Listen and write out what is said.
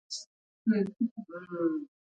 سانتیاګو د سوداګرۍ درسونه زده کوي.